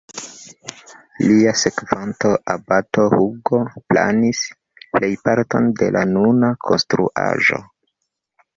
Lia sekvanto, abato Hugo, planis plejparton de la nuna konstruaĵo.